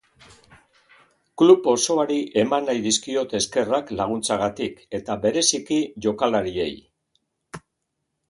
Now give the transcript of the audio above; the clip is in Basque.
Klub osoari eman nahi dizkiot eskerrak laguntzagatik, eta bereziki jokalariei.